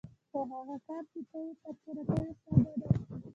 خو هغه کار چې ته یې ترسره کوې ساده دی